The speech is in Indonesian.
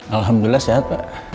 alhamdulillah sehat pak